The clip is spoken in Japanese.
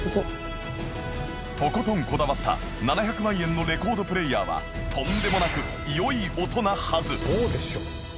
とことんこだわった７００万円のレコードプレーヤーはとんでもなく良い音なはず！